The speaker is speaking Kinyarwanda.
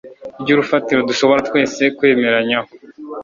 ry'urufatiro dushobora twese kwemeranyaho